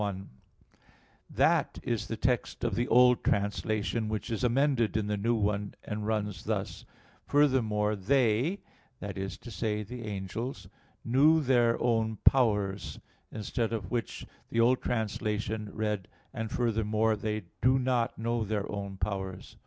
1: That is the text of the old translation, which is amended in the new one, and runs thus: "furthermore they," that is to say the angels, "knew their own powers": instead of which the old translation read "and furthermore they do not know their own powers."